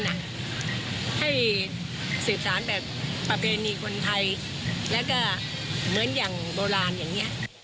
ให้สืบสารแบบประเพณีคนไทยแล้วก็เหมือนอย่างโบราณอย่างนี้